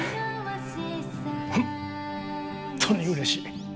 本当にうれしい。